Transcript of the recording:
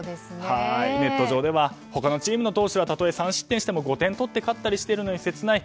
ネット上では他のチームの投手はたとえ３失点しても５点取って勝ったりしているのに切ない。